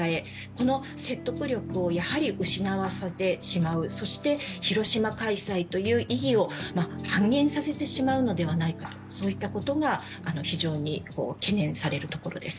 この説得力をやはり失わされてしまう、そして広島開催という意義を半減させてしまうのではないかとそういったことが非常に懸念されるところです